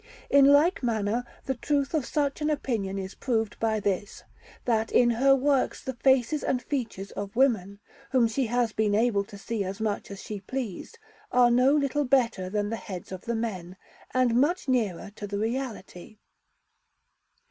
In like manner, the truth of such an opinion is proved by this, that in her works the faces and features of women, whom she has been able to see as much as she pleased, are no little better than the heads of the men, and much nearer to the reality.